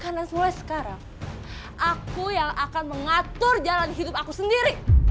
karena setelah sekarang aku yang akan mengatur jalan hidup aku sendiri